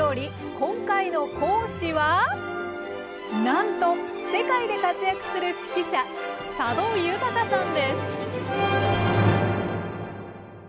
今回の講師はなんと世界で活躍する指揮者佐渡裕さんです。